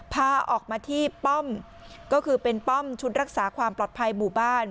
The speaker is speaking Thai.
พาออกมาที่ป้อมก็คือเป็นป้อมชุดรักษาความปลอดภัยหมู่บ้าน